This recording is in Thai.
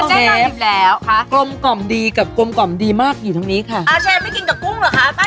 เชฟที่ได้มากินครุ่งใหญ่ก็ไม่เห็นเป็นไรเลยค่ะ